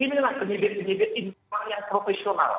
inilah penyibik penyibik yang profesional